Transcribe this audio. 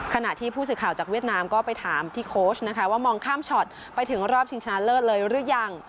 ขณะที่ผู้สื่อข่าวจากเวียดนามก็ไปถามที่โค้ชนะคะว่ามองข้ามช็อตไปถึงรอบชิงชนะเลิศเลยหรือยัง